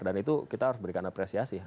dan itu kita harus berikan apresiasi